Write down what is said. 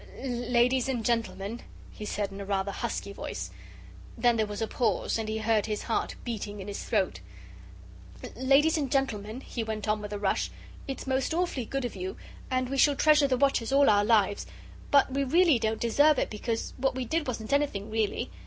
"Ladies and Gentlemen," he said in a rather husky voice. Then there was a pause, and he heard his heart beating in his throat. "Ladies and Gentlemen," he went on with a rush, "it's most awfully good of you, and we shall treasure the watches all our lives but really we don't deserve it because what we did wasn't anything, really.